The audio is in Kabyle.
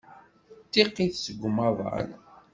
D tiqit seg umaḍal.